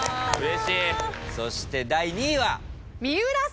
そして第２位は。